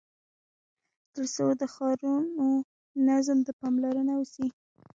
تر څو د ښارونو نظم ته پاملرنه وسي.